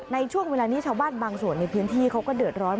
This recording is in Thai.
ในช่วงเวลานี้ชาวบ้านบางส่วนในพื้นที่เขาก็เดือดร้อน